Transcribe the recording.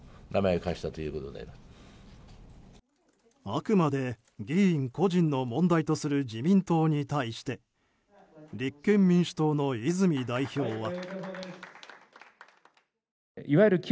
あくまで議員個人の問題とする自民党に対して立憲民主党の泉代表は。